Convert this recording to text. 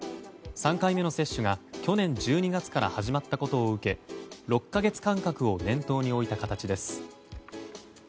３回目の接種が去年１２月から始まったことを受け６か月間隔を念頭に置いた形です。